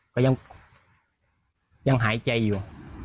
ก็ยังหายใจอยู่